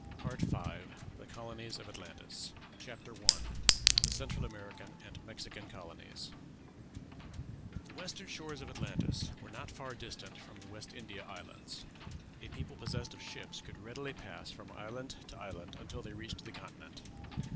PART V. THE COLONIES OF ATLANTIS. CHAPTER I. THE CENTRAL AMERICAN AND MEXICAN COLONIES. The western shores of Atlantis were not far distant from the West India Islands; a people possessed of ships could readily pass from island to island until they reached the continent.